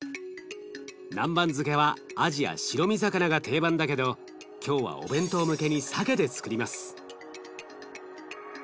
南蛮漬けはあじや白身魚が定番だけど今日はお弁当向けにさけでつくります。